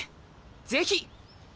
ぜひ！